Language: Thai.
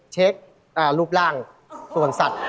เช็ครูปร่างส่วนสัตว์